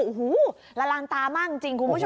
อู้หู้ละลางตามากจริงคุณผู้ชม